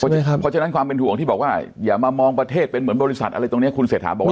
เพราะฉะนั้นความเป็นห่วงที่บอกว่าอย่ามามองประเทศเป็นเหมือนบริษัทอะไรตรงนี้คุณเศรษฐาบอกว่า